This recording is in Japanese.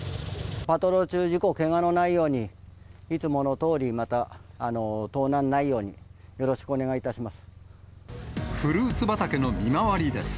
パトロール中、事故、けがのないように、いつものとおりまた、盗難がないように、フルーツ畑の見回りです。